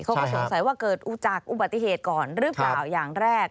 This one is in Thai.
เขาก็สงสัยว่าเกิดอุจากอุบัติเหตุก่อนหรือเปล่าอย่างแรก